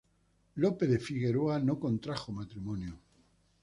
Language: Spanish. Lope de Figueroa no contrajo matrimonio.